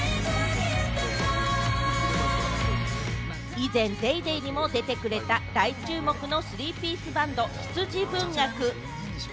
以前『ＤａｙＤａｙ．』にも出てくれた大注目のスリーピースロックバンド・羊文学。